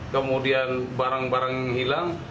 kemudian barang barang hilang